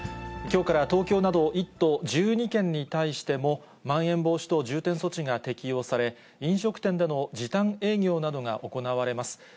きょうから東京など、１都１２県に対しても、まん延防止等重点措置が適用され、飲食店での時短営業などが行われます。